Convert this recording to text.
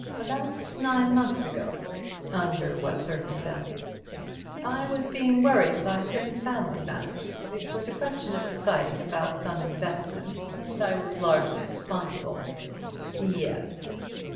"About nine months ago." "Under what circumstances?" "I was being worried by certain family matters. It was a question of deciding about some investments, and I was largely responsible." "Yes.